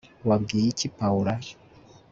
wabwiye iki paula